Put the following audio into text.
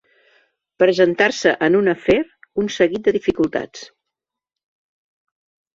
Presentar-se en un afer un seguit de dificultats.